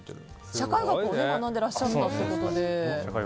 社会学を学んでいらしたということで。